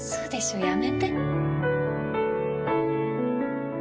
やめて。